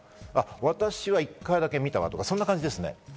私は１回だけ見たわとか、そんな感じです。